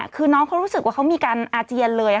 คือน้องเขารู้สึกว่าเขามีการอาเจียนเลย